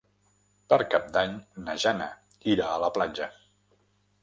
Per Cap d'Any na Jana irà a la platja.